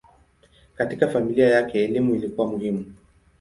Katika familia yake elimu ilikuwa muhimu.